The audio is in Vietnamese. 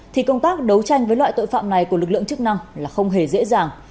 thì công tác đấu tranh với loại tội phạm này của lực lượng chức năng là không hề dễ dàng